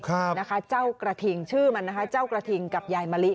ครับนะคะเจ้ากระทิงชื่อมันนะคะเจ้ากระทิงกับยายมะลิ